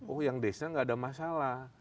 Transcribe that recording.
oh yang desa nggak ada masalah